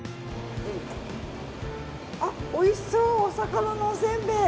おいしそう、お魚のおせんべい。